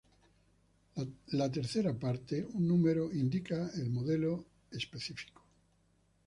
La tercer parte, un número, indica el modelo en específico.